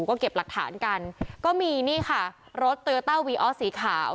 ก็เก็บหลักฐานกันก็มีนี่ค่ะรถโตโยต้าวีออสสีขาว